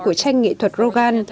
của tranh nghệ thuật rogan